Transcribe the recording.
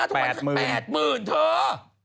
แต่งหน้าทุกวัน๘หมื่นเถอะ